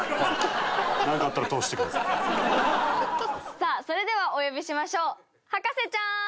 さあそれではお呼びしましょう。